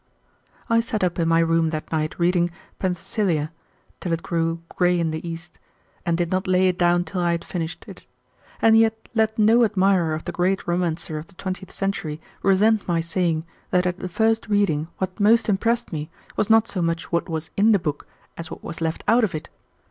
I sat up in my room that night reading "Penthesilia" till it grew gray in the east, and did not lay it down till I had finished it. And yet let no admirer of the great romancer of the twentieth century resent my saying that at the first reading what most impressed me was not so much what was in the book as what was left out of it.